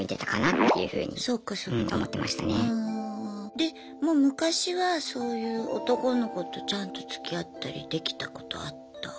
でもう昔はそういう男の子とちゃんとつきあったりできたことあった？